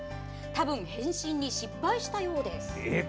多分、変身に失敗したようです。